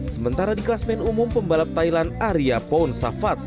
sementara di kelas main umum pembalap thailand arya pon safat